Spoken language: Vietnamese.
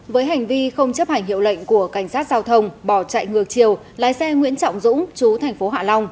với hành vi không chấp hành hiệu lệnh của cảnh sát giao thông bỏ chạy ngược chiều lái xe nguyễn trọng dũng chú thành phố hạ long